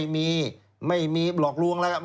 ไม่มีหลอกลวงอะไร